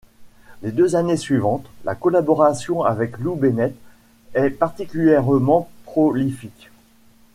Les deux années suivantes, la collaboration avec Lou Bennett est particulièrement prolifique.